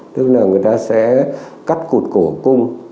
tức là người ta sẽ cắt cụt cổ cung